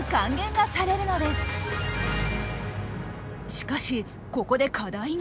しかしここで課題が。